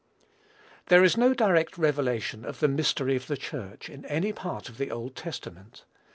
There is no direct revelation of the mystery of the Church, in any part of the Old Testament.